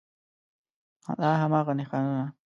دا هماغه نښانونه